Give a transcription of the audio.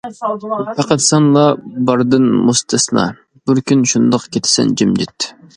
پەقەت سەنلا باردىن مۇستەسنا، بىر كۈن شۇنداق كېتىسەن جىمجىت.